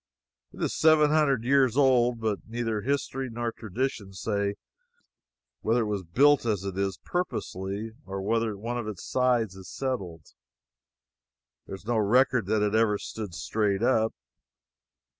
It is seven hundred years old, but neither history or tradition say whether it was built as it is, purposely, or whether one of its sides has settled. There is no record that it ever stood straight up.